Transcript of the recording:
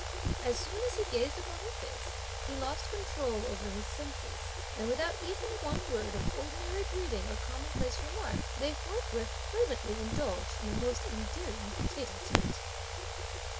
As soon as he gazed upon her face, he lost control over his senses, and without even one word of ordinary greeting or commonplace remark, they forthwith, fervently indulged in a most endearing tête à tête.